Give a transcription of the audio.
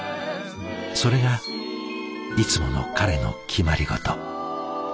それがいつもの彼の決まり事。